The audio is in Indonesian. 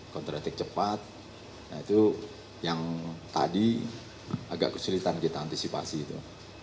counter etik cepat nah itu yang tadi agak kesulitan kita antisipasi itu